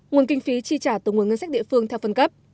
nguồn kinh phí chi trả từ nguồn ngân sách địa phương theo phân cấp